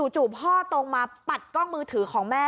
จู่พ่อตรงมาปัดกล้องมือถือของแม่